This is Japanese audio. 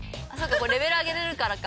これレベル上げれるからか。